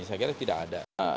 saya kira tidak ada